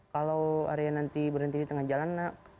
kalau arya nanti berhenti di tengah jalan nak